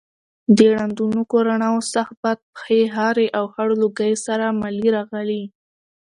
له ړندونکو رڼاوو، سخت باد، پښې هارې او خړو لوګیو سره ملې راغلې.